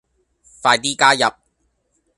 快啲加入